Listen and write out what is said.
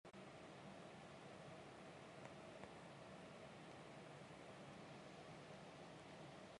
紙本形式的好處